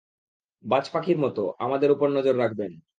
বাজপাখির মতো আমাদের উপর নজর রাখবেন।